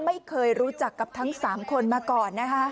ไม่เคยรู้จักกับทั้ง๓คนมาก่อนนะคะ